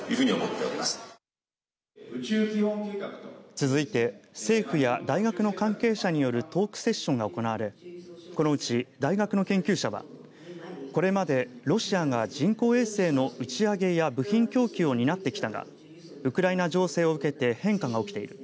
続いて政府や大学の関係者によるトークセッションが行われこのうち大学の研究者はこれまでロシアが人工衛星の打ち上げや部品供給を担ってきたがウクライナ情勢を受けて変化が起きている。